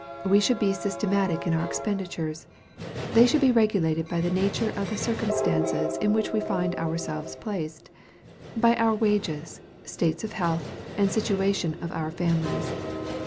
We should be systematic in our expenditures. They should be regulated by the nature of the circumstances in which we find ourselves placed, by our wages, state of health, and the situation of our families.